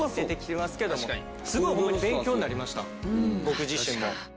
僕自身も。